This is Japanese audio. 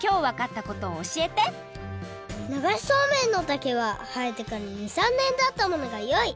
ながしそうめんの竹ははえてから２３年たったものがよい！